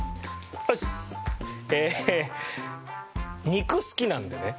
肉好きなんでね。